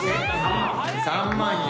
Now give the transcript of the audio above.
３万円。